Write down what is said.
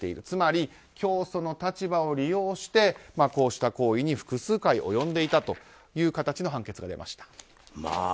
つまり、教祖の立場を利用してこうした行為に複数回及んでいたという判決が出ました。